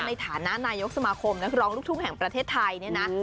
ในฐานะนายกสมาคมลูกทุ่งแห่งประเทศไทย